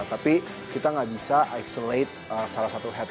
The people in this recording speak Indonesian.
tapi kita nggak bisa isolate salah satu head